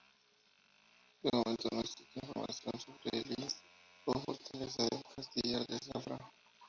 De momento no existe información sobre el Hisn o "Fortaleza" del Castellar de Zafra.